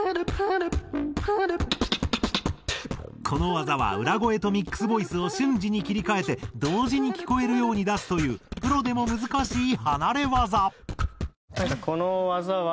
この技は裏声とミックスボイスを瞬時に切り替えて同時に聞こえるように出すというプロでも難しい離れ業。